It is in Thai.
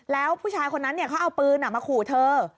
แล้วผู้ชายคนนั้นเขาเอาปืนมาขู่เธอ